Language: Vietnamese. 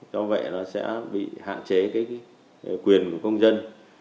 do vậy nó sẽ bị hạn chế cái quyền của công dân